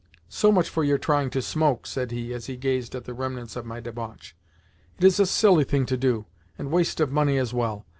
"So much for your trying to smoke!" said he as he gazed at the remnants of my debauch. "It is a silly thing to do, and waste of money as well.